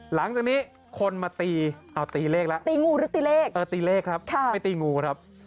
หลังจากนี้คนมาตีเอาตีเลขแล้วตีงูหรือตีเลขเออตีเลขครับไม่ตีงูครับ